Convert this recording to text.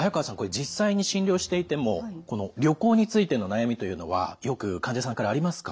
実際に診療していても旅行についての悩みというのはよく患者さんからありますか？